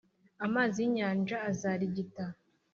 Amazi y’inyanja azarigita,